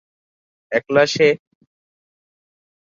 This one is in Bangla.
একলা সে?